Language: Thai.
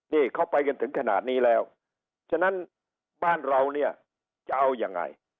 นี่เขาไปกันถึงขนาดนี้แล้วฉะนั้นบ้านเราเนี่ยจะเอายังไง